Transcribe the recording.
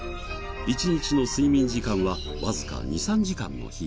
一日の睡眠時間はわずか２３時間の日々。